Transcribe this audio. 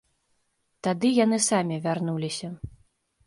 Тады яны самі вярнуліся.